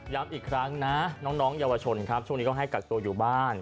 อีกครั้งนะน้องเยาวชนครับช่วงนี้ก็ให้กักตัวอยู่บ้าน